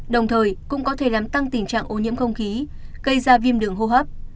đồng thời cũng có thể làm tăng tình trạng ô nhiễm không khí gây ra viêm đường hô hấp